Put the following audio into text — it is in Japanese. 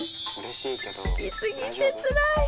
好きすぎてつらい。